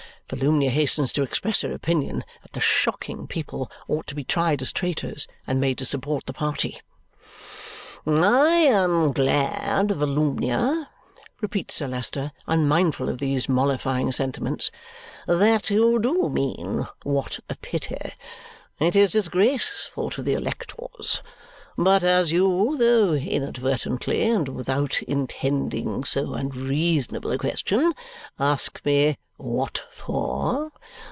Volumnia hastens to express her opinion that the shocking people ought to be tried as traitors and made to support the party. "I am glad, Volumnia," repeats Sir Leicester, unmindful of these mollifying sentiments, "that you do mean what a pity. It is disgraceful to the electors. But as you, though inadvertently and without intending so unreasonable a question, asked me 'what for?'